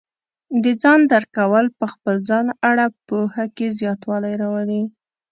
د ځان درک کول په خپل ځان اړه پوهه کې زیاتوالی راولي.